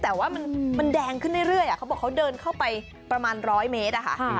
แต่ว่ามันมันแดงขึ้นได้เรื่อยอ่ะเขาบอกเขาเดินเข้าไปประมาณร้อยเมตรอ่ะค่ะค่ะ